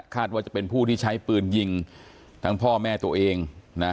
ว่าจะเป็นผู้ที่ใช้ปืนยิงทั้งพ่อแม่ตัวเองนะ